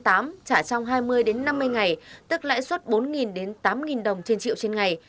trả trong hai mươi năm mươi ngày tức lãi suất bốn đến tám đồng trên triệu trên ngày